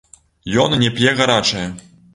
Ён не п'е гарачая.